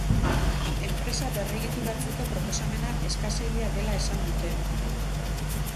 Enpresa berregituratzeko proposamena eskasegia dela esan dute.